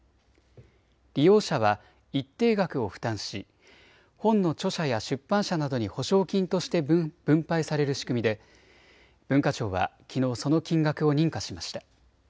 利用者は一定額を負担し本の著者や出版社などに補償金として分配される仕組みで文化庁はきのうその金額を認可しました。